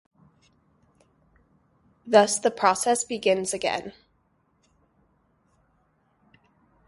Thus the process begins again.